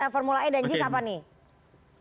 formula e dan jis apa nih